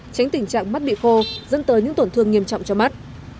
tránh tình trạng mắt bị khô dẫn tới những tổn thương nghiêm trọng cho mắt